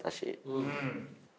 うん。